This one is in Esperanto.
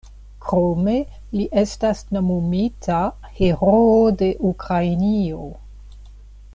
Krome li estas nomumita "Heroo de Ukrainio".